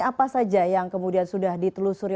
apa saja yang kemudian sudah ditelusuri